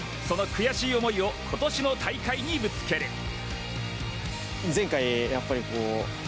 その悔しい思いを今年の大会にぶつける。